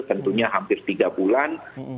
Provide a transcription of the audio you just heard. tentunya hampir tiga bulan